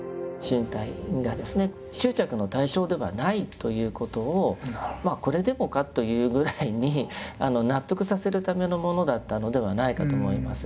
ということをこれでもかというぐらいに納得させるためのものだったのではないかと思います。